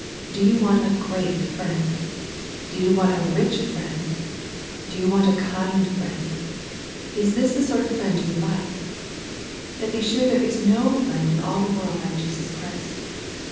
Do you want a great friend ?— Do you want a rich friend ?— Do you want a kind friend ? Is this the sort of friend you would like? Then be sure there is no friend in all the world like Jesus Christ.